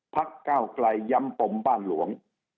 ก้าวไกลย้ำปมบ้านหลวง